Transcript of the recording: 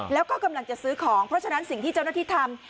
แล้วก็กำลังจะซื้อของเพราะฉะนั้นสิ่งที่เจ้าหน้าที่ทำ